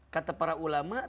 kata para ulama